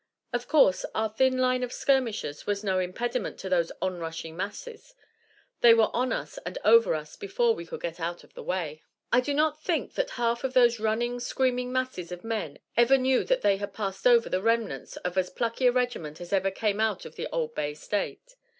Of course, our thin line of skirmishers was no impediment to those onrushing masses. They were on us and over us before we could get out of the way. I do not think that half of those running, screaming masses of men ever knew that they had passed over the remnants of as plucky a regiment as ever came out of the old Bay State.